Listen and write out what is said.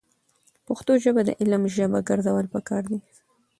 پښتو ژبه د علم ژبه ګرځول پکار دي.